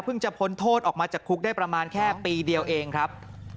จะพ้นโทษออกมาจากคุกได้ประมาณแค่ปีเดียวเองครับ